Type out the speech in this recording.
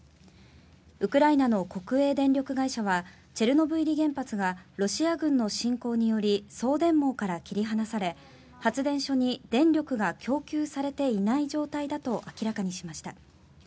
ウクライナの国営電力会社はチェルノブイリ原発がロシア軍の侵攻により送電網から切り離され発電所に電力が供給されていない状態だと明らかにしました。